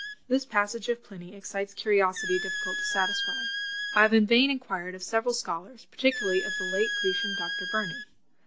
This passage of Pliny excites curiosity difficult to satisfy; I have in vain inquired of several scholars, particularly of the late Grecian, Dr. Burney.